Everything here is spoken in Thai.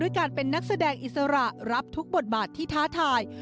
การเป็นนักแสดงอิสระรับทุกบทบาทที่ท้าทาย